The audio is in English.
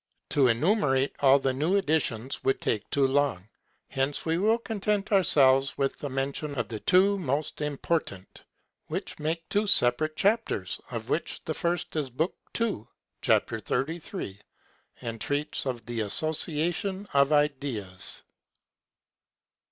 To enumerate all the new additions would take too long; hence we will content ourselves with the mention of the two most important, which make two separate chapters, of which the first is Book II., chap. 33, and treats of the Association of Ideas.